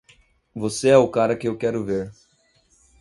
Você é o cara que eu quero ver.